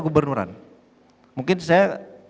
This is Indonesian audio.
gubernuran mungkin saya